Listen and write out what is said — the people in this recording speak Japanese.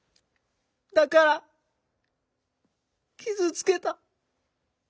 だから傷つけた。